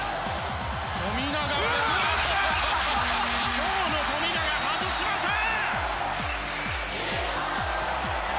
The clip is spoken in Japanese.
今日の富永、外しません！